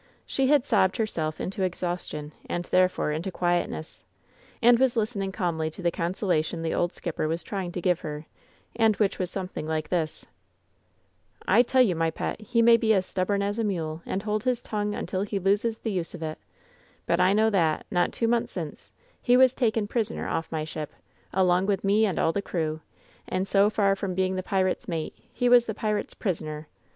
She had sobbed herself into exhaustion, and therefore into quietness, and was listening calmly to the consolation the old skipper was trying to give her, and which was something like this: "I tell you, my pet, he may be as stubborn as a mule, and hold his tongue until he loses the use of it, but I know that, not two months since, he was taken prisoner off my ship, along with me and all the crew, and so far from being the pirate's mate, he was the pirate's pris oner.